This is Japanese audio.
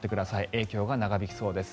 影響が長引きそうです。